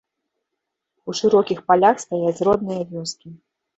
У шырокіх палях стаяць родныя вёскі.